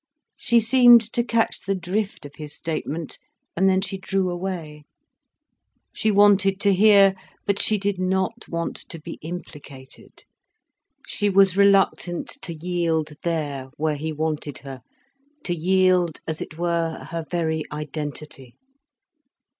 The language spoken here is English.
She seemed to catch the drift of his statement, and then she drew away. She wanted to hear, but she did not want to be implicated. She was reluctant to yield there, where he wanted her, to yield as it were her very identity.